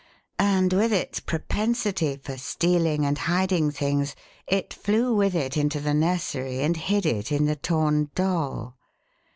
"And with its propensity for stealing and hiding things it flew with it into the nursery and hid it in the torn doll.